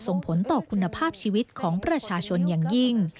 ส่งผลต่อคุณภาพชีวิตของประชาชนอย่างยิ่ง